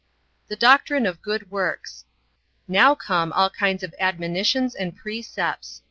THE DOCTRINE OF GOOD WORKS Now come all kinds of admonitions and precepts.